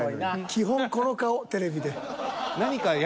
基本この顔テレビで。